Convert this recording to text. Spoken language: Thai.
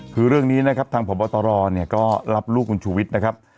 คือเรื่องนี้นะครับทางพบตรเนี่ยก็รับลูกคุณชูวิทย์นะครับ